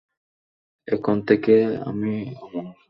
এখন থেকে আমি অমর!